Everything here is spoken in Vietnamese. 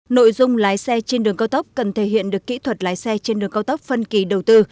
nội dung lái xe trên đường cao tốc cần thể hiện được kỹ thuật lái xe trên đường cao tốc phân kỳ đầu tư